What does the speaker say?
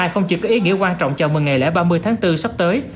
không chỉ có ý nghĩa quan trọng chào mừng ngày lễ ba mươi tháng bốn sắp tới